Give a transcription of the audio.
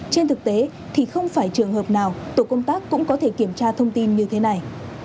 trên thực tế thì không phải trường hợp nào tổ công tác cũng có thể kiểm tra thông tin như thế này